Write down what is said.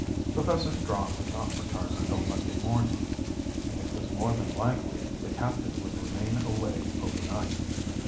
Professor Strong would not return until Monday morning, and it was more than likely the captain would remain away over night.